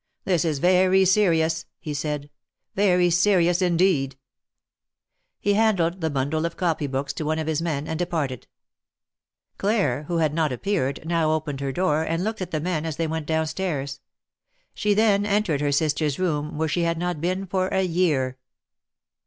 This is very serious," he said, very serious, indeed 1 " He handed the bundle of copy books to one of his men and departed. THE MARKETS OF PARIS. 291 Claire, who had not appeared, now opened her door and looked at the men as they went down stairs. She then entered her sister's room, where she had not been for a year.